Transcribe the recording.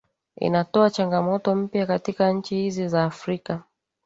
inatoa changamoto mpya katika nchi hizi za afrika